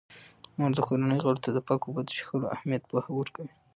مور د کورنۍ غړو ته د پاکو اوبو د څښلو اهمیت پوهه ورکوي.